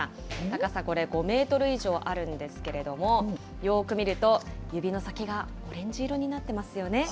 高さこれ５メートル以上あるんですけれども、よく見ると、指の先がオレンジ色になってますよね。